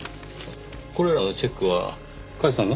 これらのチェックは甲斐さんが？